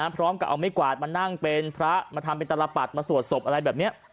พร้อมกับเอาไม่กวาดมานั่งเป็นพระมาทำเป็นตลปัดมาสวดศพอะไรแบบนี้